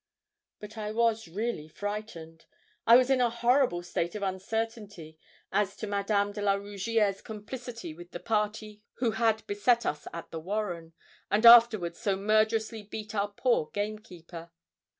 But I was really frightened. I was in a horrible state of uncertainty as to Madame de la Rougierre's complicity with the party who had beset us at the warren, and afterwards so murderously beat our poor gamekeeper.